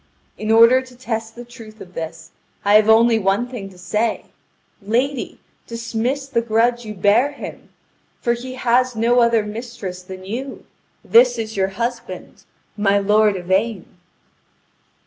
In order to test the truth of this, I have only one thing to say: lady, dismiss the grudge you bear him! For he has no other mistress than you. This is your husband, my lord Yvain."